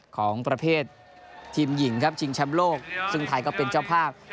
ของประเภททีมหญิงครับชิงแชมป์โลกซึ่งไทยก็เป็นเจ้าภาพ